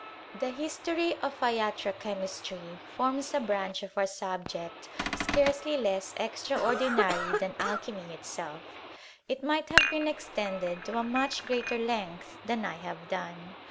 The history of latro chemistry forms a branch our subject scarcely less extraordinary than Alchyn itself. It might have been extended to a much great length than I have done.